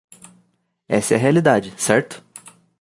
Essa é a realidade, certo?